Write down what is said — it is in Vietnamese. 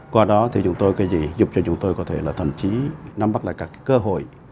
qua đó thì chúng tôi cái gì giúp cho chúng tôi có thể là thậm chí nắm bắt lại các cơ hội